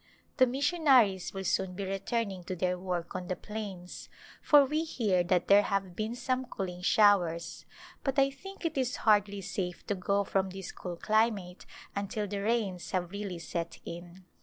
The mission aries will soon be returning to their work on the plains, for we hear that there have been some cooling showers, but I think it is hardly safe to go from this cool climate until the rains have really set in.